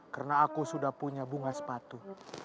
karena aku sudah punya bunga sepatu